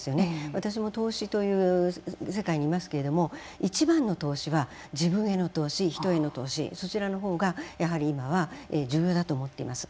私も投資という世界にいますけれども一番の投資は自分への投資人への投資そちらの方がやはり今は重要だと思っています。